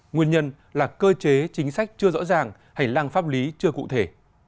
nguyên nhân là cơ chế chính sách chưa rõ ràng hành lang pháp lý chưa cụ thể